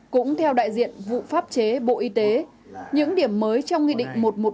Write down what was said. cũng theo đại diện vụ pháp chế bộ y tế những điểm mới trong nghị định một trăm một mươi bốn